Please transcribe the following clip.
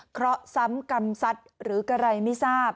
เพราะซ้ำกรรมสัตว์หรือกระไรไม่ทราบ